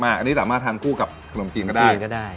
อันนี้สามารถทานคู่กับขนมจีนก็ได้